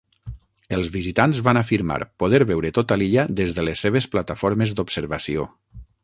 Els visitants van afirmar poder veure tota l'illa des de les seves plataformes d'observació.